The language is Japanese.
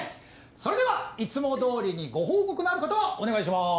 それではいつも通りにご報告のある方はお願いします！